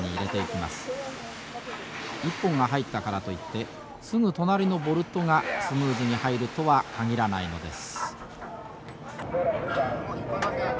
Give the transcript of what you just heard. １本が入ったからといってすぐ隣のボルトがスムーズに入るとは限らないのです。